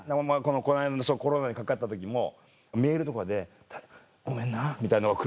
この間のコロナにかかった時もメールとかで「ごめんな」みたいのが来るわけよ。